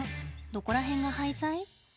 どこら辺が廃材？